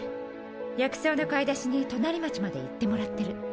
薬草の買い出しに隣町まで行ってもらってる。